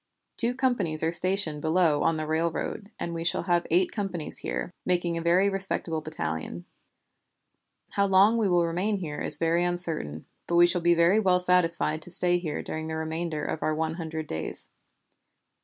Two companies are stationed below on the railroad, and we shall have eight companies here, making a very respectable battalion. "How long we will remain here is very uncertain, but we shall be very well satisfied to stay here during the remainder of our one hundred days.